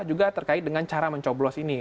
juga terkait dengan cara mencoblos ini